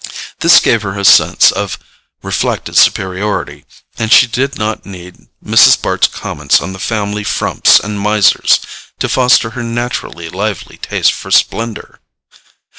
This gave her a sense of reflected superiority, and she did not need Mrs. Bart's comments on the family frumps and misers to foster her naturally lively taste for splendour.